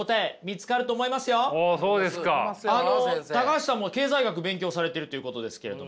橋さんも経済学勉強されてるっていうことですけれども。